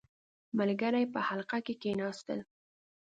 • ملګري په حلقه کښېناستل.